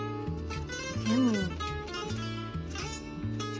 でも。